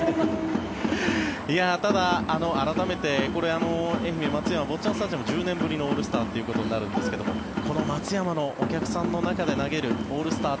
ただ、改めて、愛媛松山・坊っちゃんスタジアム１０年ぶりのオールスターということになるんですがこの松山のお客さんの中で投げるオールスター